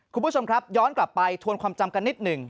คุณผู้ชมครับย้อนกลับไปทวนความจำกันนิดหนึ่ง